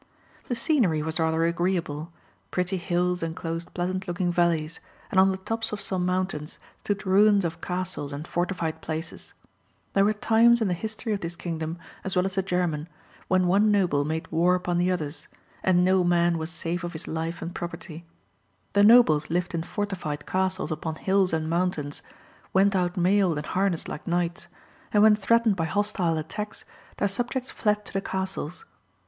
The scenery was rather agreeable; pretty hills enclosed pleasant looking valleys, and on the tops of some mountains stood ruins of castles and fortified places. There were times in the history of this kingdom as well as the German when one noble made war upon the others, and no man was safe of his life and property. The nobles lived in fortified castles upon hills and mountains, went out mailed and harnessed like knights, and when threatened by hostile attacks, their subjects fled to the castles.